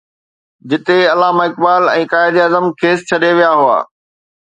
جتي علامه اقبال ۽ قائداعظم کيس ڇڏي ويا هئا.